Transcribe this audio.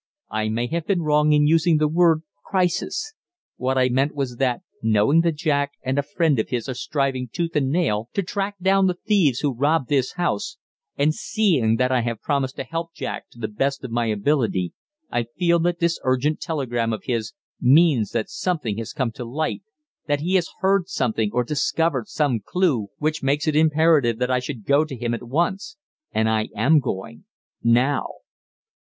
I may have been wrong in using the word 'crisis.' What I meant was that, knowing that Jack and a friend of his are striving tooth and nail to track down the thieves who robbed this house, and seeing that I have promised to help Jack to the best of my ability, I feel that this urgent telegram of his means that something has come to light, that he has heard something or discovered some clue which makes it imperative that I should go to him at once. And I am going now."